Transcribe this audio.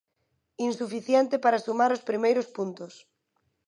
Insuficiente para sumar os primeiros puntos.